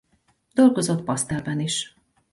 Dolgozott pasztellben is.